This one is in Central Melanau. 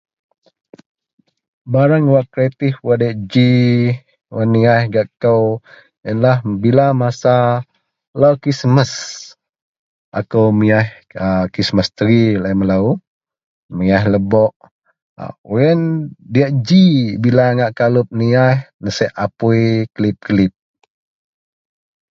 barang wak kreatif wak diak ji wak niyiah gak kou ienlah bila masa lau krismas, akou miyiah a krismas tree laie melou, miyiah lebok wak ien diak ji bila ngak kalup niyiah nisek apui kelip-kelip